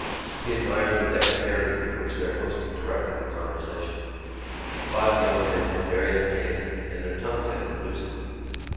He admired the dexterity with which their host directed the conversation. The five young men had various tastes and their tongues had been loosened.